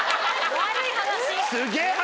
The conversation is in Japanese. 悪い話。